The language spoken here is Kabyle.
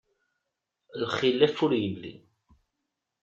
Lxilaf ur yelli.